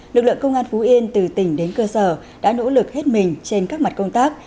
lực lượng công an phú yên từ tỉnh đến cơ sở đã nỗ lực hết mình trên các mặt công tác